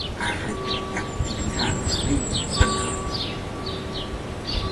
A retroactividade da lei penal.